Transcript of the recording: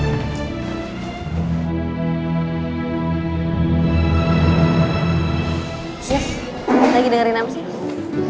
yes lagi dengerin apa sih